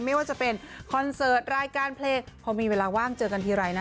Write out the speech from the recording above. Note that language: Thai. ไม่ว่าจะเป็นคอนเสิร์ตรายการเพลงพอมีเวลาว่างเจอกันทีไรนะ